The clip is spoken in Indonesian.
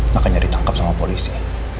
makanya ditangkap sama polisi